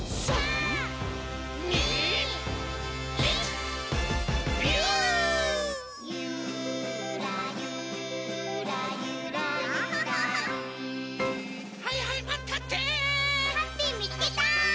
ハッピーみつけた！